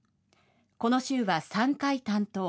この週は３回担当。